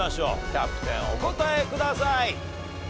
キャプテンお答えください。